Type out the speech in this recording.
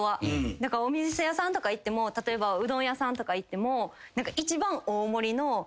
だからお店屋さんとか行っても例えばうどん屋さん行っても。